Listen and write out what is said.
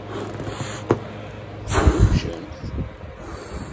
Tedrewcemt?